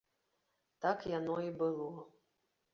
Так яно і было.